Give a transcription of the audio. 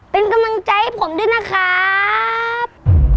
เป็นกำลังใจให้ผมด้วยนะครับ